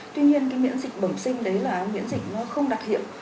tuy nhiên cái miễn dịch bẩm sinh đấy là miễn dịch nó không đặc hiệu